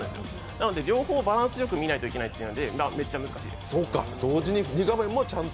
だから両方バランスよく見なきゃいけないというのでだから、めっちゃ難しいですね。